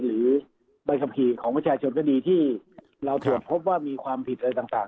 หรือใบขับขี่ของประชาชนก็ดีที่เราตรวจพบว่ามีความผิดอะไรต่าง